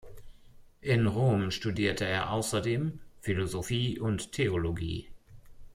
In Rom studierte er außerdem Philosophie und Theologie.